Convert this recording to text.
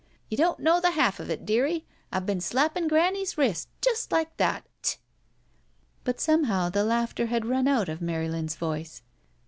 ''You don't know the half of it, dearie. I've been slapping granny's wrist, just like that. Ts s st!" But somehow the laughter had nm out of Mary lin's voice.